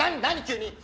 何？